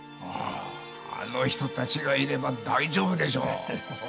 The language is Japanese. あああの人たちがいれば大丈夫でしょう。